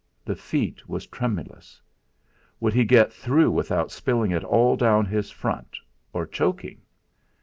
The feat was tremulous. Would he get through without spilling it all down his front, or choking?